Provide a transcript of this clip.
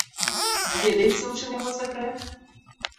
Ведаеце, у чым яго сакрэт?